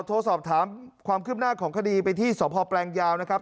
โทรสอบถามความคืบหน้าของคดีไปที่สพแปลงยาวนะครับ